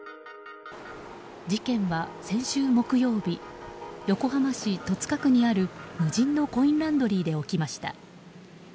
事件は先週木曜日横浜市戸塚区にある無人のコインランドリーで起きました。